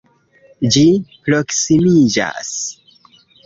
Ĝi proksimiĝas!